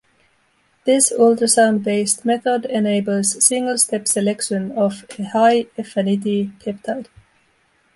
This ultrasound-based method enables single-step selection of a high-affinity peptide.